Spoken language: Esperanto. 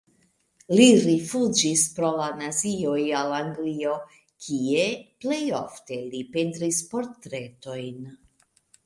Li rifuĝis pro la nazioj al Anglio, kie plej ofte li pentris portretojn.